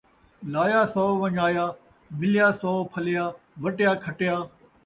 لایا سو ون٘ڄایا ، ملیا سو پھلیا ، وٹیا کھٹیا